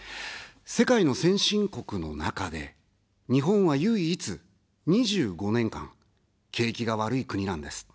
世界の先進国の中で、日本は唯一、２５年間、景気が悪い国なんです。